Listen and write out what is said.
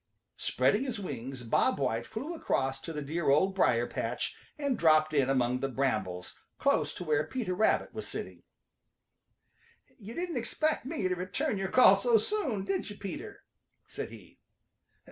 Spreading his wings Bob White flew across to the dear Old Briar patch and dropped in among the brambles close to where Peter Rabbit was sitting. "You didn't expect me to return your call so soon, did you, Peter?" said he.